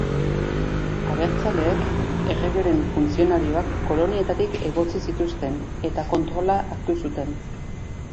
Abertzaleek erregeren funtzionarioak kolonietatik egotzi zituzten eta kontrola hartu zuten.